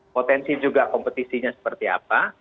potensi juga kompetisinya seperti apa